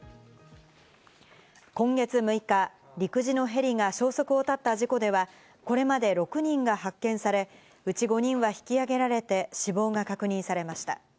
今月６日、陸自のヘリが消息を絶った事故では、これまで６人が発見され、うち５人は引き揚げられて死亡が確認されました。